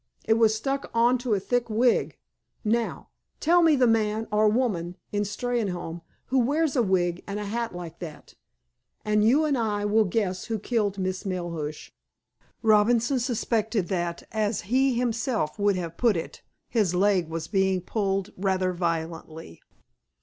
It was stuck on to a thick wig. Now, tell me the man, or woman, in Steynholme, who wears a wig and a hat like that, and you and I will guess who killed Miss Melhuish." Robinson suspected that, as he himself would have put it, his leg was being pulled rather violently.